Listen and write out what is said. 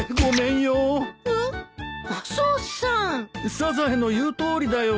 サザエの言うとおりだよ。